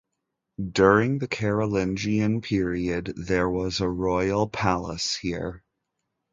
During the Carolingian period, there was a royal palace here.